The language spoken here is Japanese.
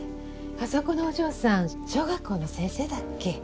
あそこのお嬢さん小学校の先生だっけ？